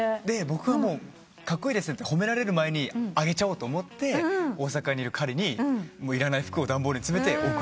僕はカッコイイですねと褒められる前にあげちゃおうと思って大阪にいる彼にいらない服を段ボールに詰めて送りました。